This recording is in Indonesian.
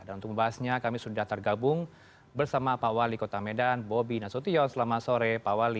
dan untuk membahasnya kami sudah tergabung bersama pak wali kota medan bobby nasution selamat sore pak wali